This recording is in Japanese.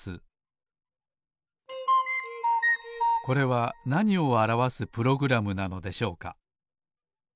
これはなにをあらわすプログラムなのでしょうか？